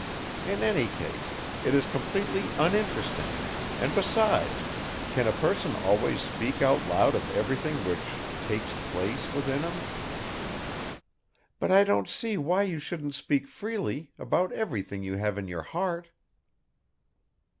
In any case, it is completely uninteresting, and besides, can a person always speak out loud of everything which 'takes place' within him!" "But I don't see why you shouldn't speak freely, about everything you have in your heart."